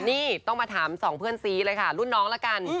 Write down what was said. นี่ต้องมาถามสองเพื่อนซีเลยค่ะรุ่นน้องละกัน